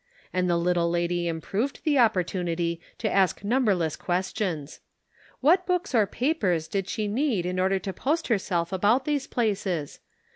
And the little lady improved the opportunity to ask numberless questions. What books or papers did she need in order to post herself about these places?